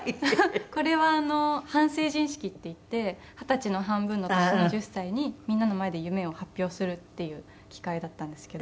これは半成人式っていって二十歳の半分の年の１０歳にみんなの前で夢を発表するっていう機会だったんですけど。